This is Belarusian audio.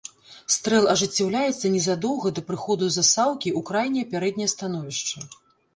Стрэл ажыццяўляецца незадоўга да прыходу засаўкі ў крайняе пярэдняе становішча.